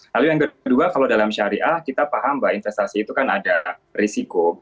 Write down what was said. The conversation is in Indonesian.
lalu yang kedua kalau dalam syariah kita paham bahwa investasi itu kan ada risiko